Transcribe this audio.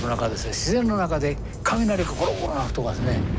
自然の中で雷がゴロゴロ鳴るとかですね